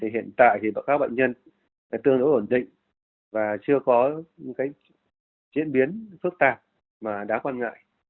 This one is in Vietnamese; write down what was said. hiện tại các bệnh nhân tương đối ổn định và chưa có diễn biến phức tạp mà đáng quan ngại